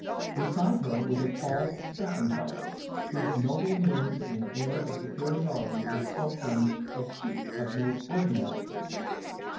Beside her was a tall, strapping fellow, whose noble mien and air of superiority bespoke him a chief of no ordinary kind.